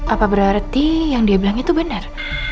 apa berarti yang dia bilang itu benar